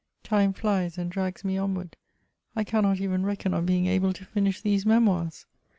Time flies and drags me onward ; I cannot even reckon on being able to finish these Memoirs.